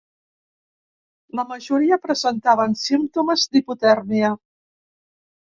La majoria presentaven símptomes d’hipotèrmia.